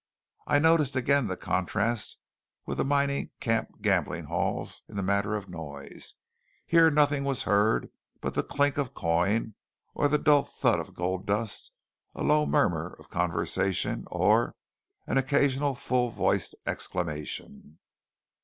I noticed again the contrast with the mining camp gambling halls in the matter of noise; here nothing was heard but the clink of coin or the dull thud of gold dust, a low murmur of conversation, or an occasional full voiced exclamation.